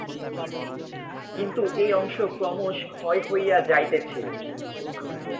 কিন্তু এই অংশ ক্রমশ ক্ষয় হইয়া যাইতেছি।